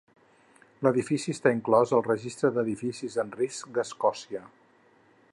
L'edifici està inclòs al registre d'edificis en risc d'Escòcia.